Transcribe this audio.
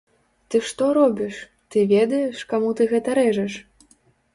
Ты што робіш, ты ведаеш каму ты гэта рэжаш?